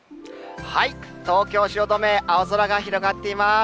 東京・汐留、青空が広がっています。